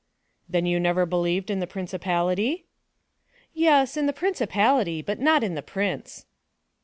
"Then you never believed in the principality?" "Yes.—in the principality, but not in the prince."